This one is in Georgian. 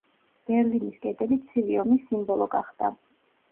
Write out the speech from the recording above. ბერლინის კედელი ცივი ომის სიმბოლო გახდა.